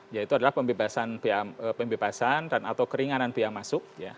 yaitu adalah pembebasan dan atau keringanan biaya masuk